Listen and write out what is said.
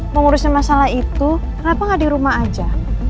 mengurusin masalah itu kenapa gak di rumah aja